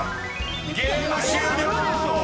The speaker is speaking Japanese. ［ゲーム終了！］